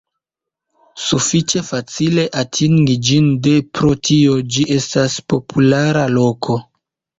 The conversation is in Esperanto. Sufiĉe facile atingi ĝin de pro tio ĝi estas populara loko.